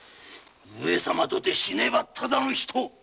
上様とて死ねばただの人。